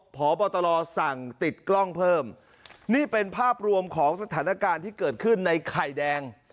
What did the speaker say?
พบตรสั่งติดกล้องเพิ่มนี่เป็นภาพรวมของสถานการณ์ที่เกิดขึ้นในไข่แดง